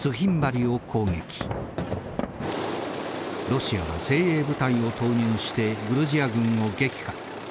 ロシアは精鋭部隊を投入してグルジア軍を撃破。